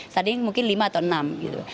saat ini mungkin lima atau enam gitu